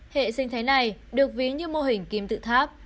hệ sinh thái này được ví như mô hình kim tự tháp